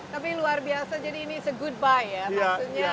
tapi luar biasa jadi ini se good buy ya maksudnya